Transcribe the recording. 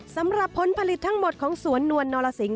สำหรับผลผลิตทั้งหมดของสวนนวลนรสิงห